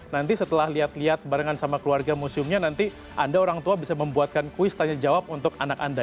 nanti setelah lihat lihat barengan sama keluarga museumnya nanti anda orang tua bisa membuatkan kuis tanya jawab untuk anak anda